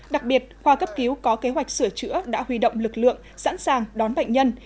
đặc biệt khoa cấp cứu có kế hoạch sửa chữa đã huy động lực lượng sẵn sàng đón bệnh nhân